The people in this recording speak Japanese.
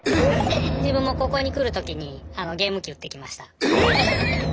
自分もここに来る時にゲーム機売ってきました。